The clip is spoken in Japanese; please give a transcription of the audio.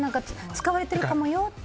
使われてるかもよって。